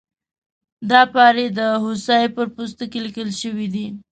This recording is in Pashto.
دا پارې د هوسۍ پر پوستکي لیکل شوي دي.